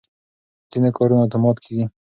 ځینې کارونه اتومات کېږي.